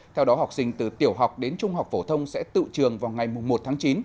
theo đó học sinh từ tiểu học đến trung học phổ thông sẽ tự trường vào ngày một tháng chín